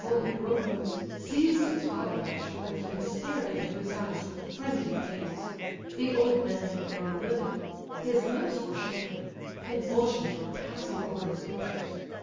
Colia broke loose, seized his father by the shoulders, and stared into his eyes with frenzied gaze. The old man had grown livid—his lips were shaking, convulsions were passing over his features.